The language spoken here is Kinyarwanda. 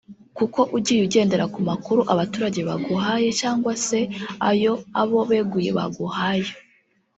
Kuko ugiye ugendera ku makuru abaturage baguhaye cyangwa se ayo abo beguye baguhaye